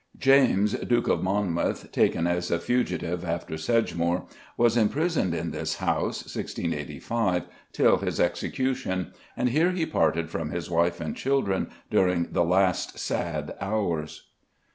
James, Duke of Monmouth, taken as a fugitive after Sedgemoor, was imprisoned in this house (1685) till his execution, and here he parted from his wife and children during the last sad hours.